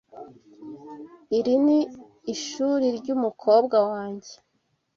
Iri ni ishuri ryumukobwa wanjye.